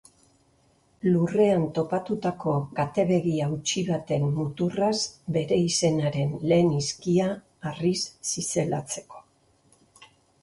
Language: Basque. Lurrean topatutako katebegi hautsi baten muturraz bere izenaren lehen hizkia harriz zizelatzeko.